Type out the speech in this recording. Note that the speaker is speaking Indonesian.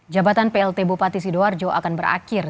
jabatan plt bupati sidoarjo akan berakhir